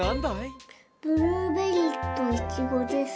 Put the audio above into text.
ブルーベリーとイチゴです。